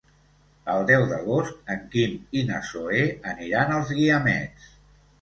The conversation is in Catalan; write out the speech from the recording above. El deu d'agost en Quim i na Zoè aniran als Guiamets.